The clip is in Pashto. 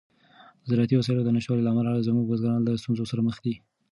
د زراعتي وسایلو د نشتوالي له امله زموږ بزګران له ستونزو سره مخ دي.